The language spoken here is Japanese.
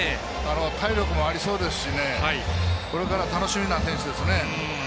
体力もありそうですしこれから、楽しみな選手ですね。